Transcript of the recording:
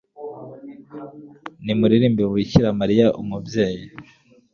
nimuririmbire bikira mariya, umubyeyi